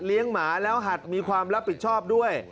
หมาแล้วหัดมีความรับผิดชอบด้วย